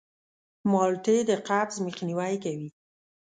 مالټې د قبض مخنیوی کوي.